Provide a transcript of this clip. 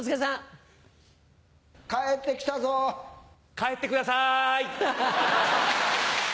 帰ってください！